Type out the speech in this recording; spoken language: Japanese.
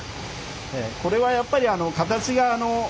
これはやっぱり形が。